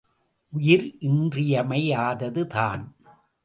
உயிர் இன்றியமை யாததுதான்!